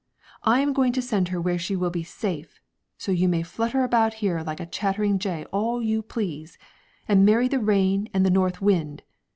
I am going to send her where she will be safe; so you may flutter about here like a chattering jay all you please, and marry the rain and the north wind.